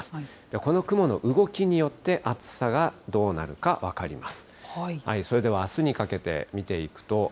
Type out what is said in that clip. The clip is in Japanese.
この雲の動きによって暑さがどうなるか分かります。